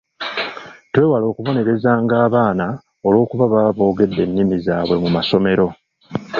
Twewale okubonerezanga abaana olwokuba baba boogedde ennimi zaabwe mu masomero.